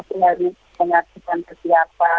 saya harus menyatukan seperti apa